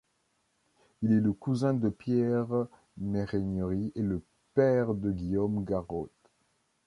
Il est le cousin de Pierre Méhaignerie et le père de Guillaume Garot.